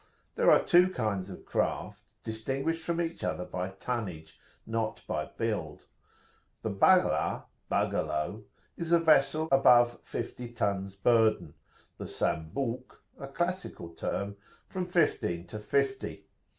There are two kinds of craft, distinguished from each other by tonnage, not by build. The Baghlah[FN#27] (buggalow), is a vessel above fifty tons burden, the Sambuk (a classical term) from fifteen to fifty.